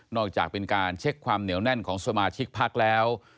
จากเป็นการเช็คความเหนียวแน่นของสมาชิกพักแล้ว